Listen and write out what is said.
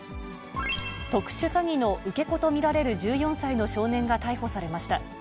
特殊詐欺の受け子と見られる１４歳の少年が逮捕されました。